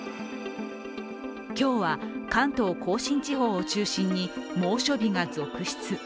今日は、関東甲信地方を中心に猛暑日が続出。